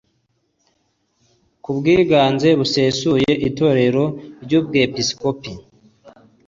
k ubwiganze busesuye itorero ry ubwepiskopi